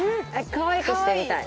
かわいくしてみたい。